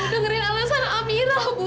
dengerin alasan amira bu